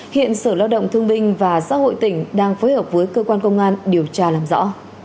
hiện sở lao động thương binh và xã hội tỉnh đang phối hợp với cơ quan công an điều tra làm rõ